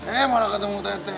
eh malah ketemu tete